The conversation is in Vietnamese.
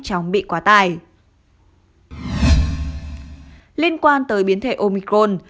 chóng bị quá tài liên quan tới biến thể omicron